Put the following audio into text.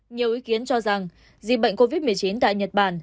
nhiều ý kiến cho rằng dịch bệnh covid một mươi chín tại nhật bản